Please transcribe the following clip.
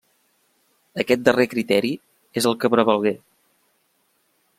Aquest darrer criteri és el que prevalgué.